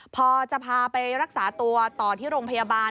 พอจะพาไปรักษาตัวต่อที่โรงพยาบาล